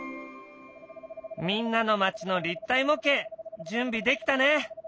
みんなの町の立体模型準備できたね！